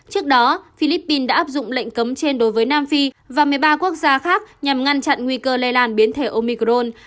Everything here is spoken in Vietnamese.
trước đó philippines đã áp dụng lệnh cấm trên đối với nam phi và một mươi ba quốc gia khác nhằm ngăn chặn nguy cơ lây lan biến thể omicron